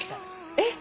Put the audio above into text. えっ！